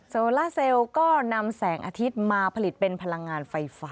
โซล่าเซลก็นำแสงอาทิตย์มาผลิตเป็นพลังงานไฟฟ้า